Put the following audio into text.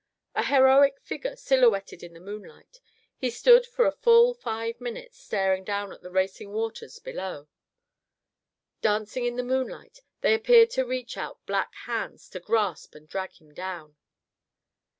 A heroic figure silhouetted in the moonlight, he stood for a full five minutes staring down at the racing waters below. Dancing in the moonlight, they appeared to reach out black hands to grasp and drag him down.